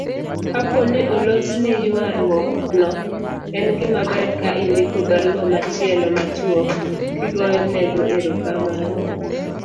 Kapo ni olosni ywaruokno, en gimaber ka indiko barua machielo machuok kigoyonego erokamano